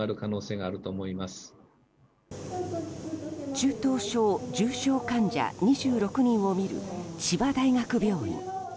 中等症・重症患者２６人を診る千葉大学病院。